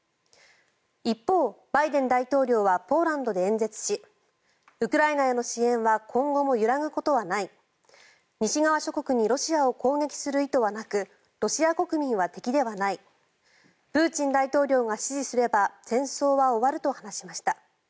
一方、バイデン大統領はポーランドで演説しウクライナへの支援は今後も揺らぐことはない西側諸国にロシアを攻撃する意図はなくロシア国民は敵ではないプーチン大統領が指示すれば戦争は終わると話しました。